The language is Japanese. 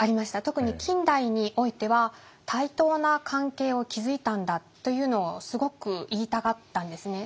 特に近代においては対等な関係を築いたんだというのをすごく言いたがったんですね。